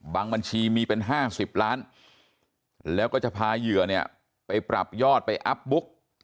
บัญชีมีเป็น๕๐ล้านแล้วก็จะพาเหยื่อเนี่ยไปปรับยอดไปอัพบุ๊ก